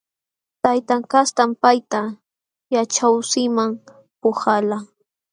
Taytan kastam payta yaćhaywasiman puhalqa.